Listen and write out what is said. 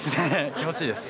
気持ちいいです。